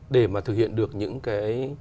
để mà thực hiện được những cái